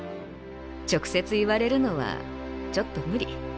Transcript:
直接言われるのはちょっとムリ。